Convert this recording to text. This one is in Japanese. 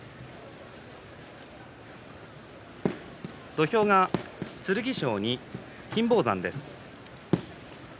土俵が剣翔に金峰山です。